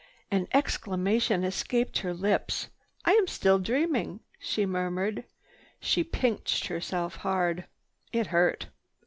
An exclamation escaped her lips. "I am still dreaming," she murmured. She pinched herself hard. It hurt.